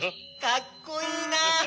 かっこいいな。